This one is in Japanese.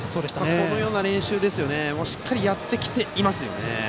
このような練習をしっかりやってきていますよね。